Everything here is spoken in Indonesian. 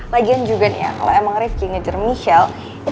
lagian juga nih ya kalo emang rifqi ngejar michelle